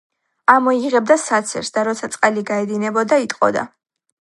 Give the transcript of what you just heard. ამოიღებდა საცერს, და როცა წყალი გაედინებოდა, იტყოდა